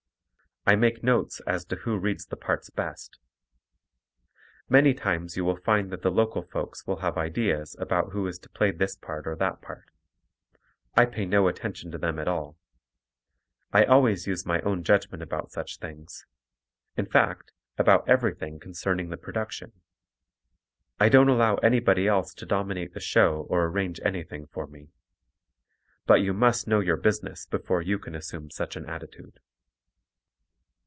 I make notes as to who reads the parts best. Many times you will find that the local folks will have ideas about who is to play this part or that part. I pay no attention to them at all. I always use my own judgment about such things; in fact, about everything concerning the production. I don't allow anybody else to dominate the show or arrange anything for me. But you must know your business before you can assume such an attitude.